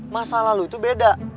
masalah lu itu beda